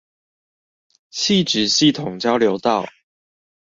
汐止系統交流道